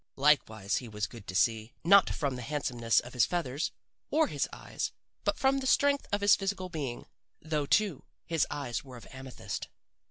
Likewise he was good to see not from the handsomeness of his feathers or his eyes, but from the strength of his physical being. Though, too, his eyes were of amethyst.